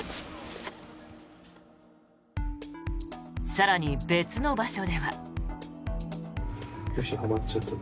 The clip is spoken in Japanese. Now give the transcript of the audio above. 更に、別の場所では。